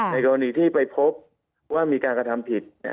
กรณีที่ไปพบว่ามีการกระทำผิด